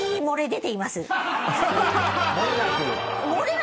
漏れ出ています